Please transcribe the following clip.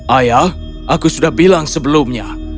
ayah aku sudah bilang sebelumnya